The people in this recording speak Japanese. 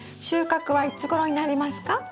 収穫はいつごろになりますか？